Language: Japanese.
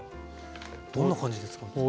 どんな感じで使うんですか？